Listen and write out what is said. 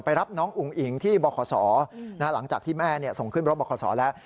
ไปรับน้องอุ๋งอิงที่บ่อข่อสอหลังจากที่แม่ส่งขึ้นบ่อข่อสอแล้ว